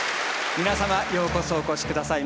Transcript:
皆様ようこそお越しくださいました。